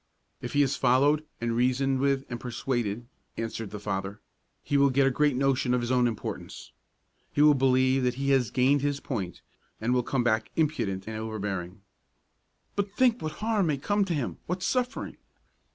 "If he is followed and reasoned with and persuaded," answered the father, "he will get a great notion of his own importance. He will believe that he has gained his point, and will come back impudent and overbearing." "But think what harm may come to him, what suffering!"